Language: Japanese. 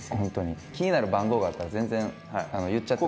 気になる番号があったら全然言っちゃって。